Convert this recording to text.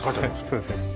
そうですね。